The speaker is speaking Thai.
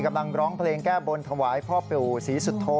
กำลังร้องเพลงแก้บนถวายพ่อเป๋วศรีสุทธโท